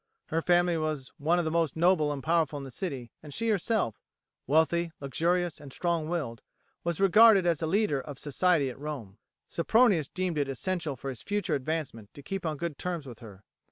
Her family was one of the most noble and powerful in the city, and she herself wealthy, luxurious, and strong willed was regarded as a leader of society at Rome. Sempronius deemed it essential for his future advancement to keep on good terms with her.